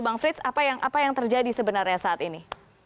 bang frits apa yang terjadi sebenarnya saat ini